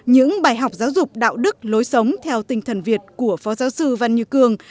những bài học giáo dục đạo đức lối sống theo tinh thần việt của phó giáo sư văn như cường